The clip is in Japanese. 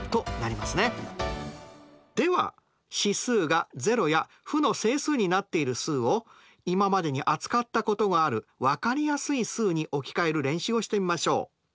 では指数が０や負の整数になっている数を今までに扱ったことがある分かりやすい数に置き換える練習をしてみましょう。